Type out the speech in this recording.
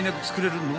作れる